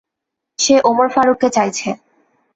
সে ওমর ফারুককে চাইছে।